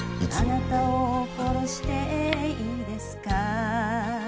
あなたを殺していいですか